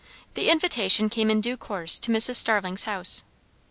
The invitation came in due course to Mrs. Starling's house.